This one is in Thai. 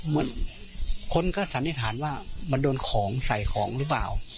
เหมือนคนก็สันนิษฐานว่ามันโดนของใส่ของหรือเปล่า